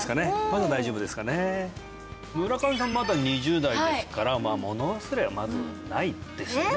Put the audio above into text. まだ大丈夫ですかね村上さんまだ２０代ですからもの忘れはまずないですよね？